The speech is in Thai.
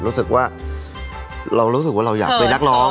รู้สึกว่าเรารู้สึกว่าเราอยากเป็นนักร้อง